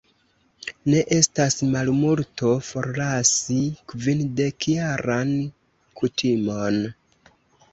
Ne estas malmulto, forlasi kvindekjaran kutimon.